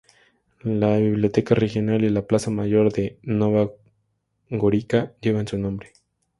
La biblioteca regional y la plaza mayor de Nova Gorica llevan su nombre.